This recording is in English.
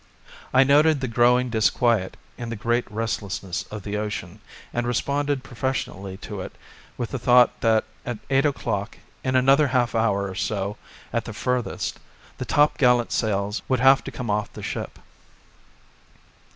I noted the growing disquiet in the great restlessness of the ocean, and responded professionally to it with the thought that at eight o'clock, in another half hour or so at the furthest, the top gallant sails would have to come off the ship.